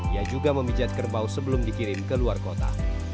ia juga memijat kerbau sebelum dikirim ke luar kota